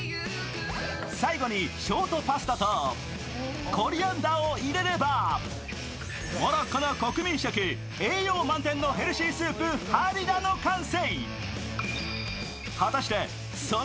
最後にショートパスタとコリアンダーを入れればモロッコの国民食、栄養満点のヘルシースープ、ハリラの完成。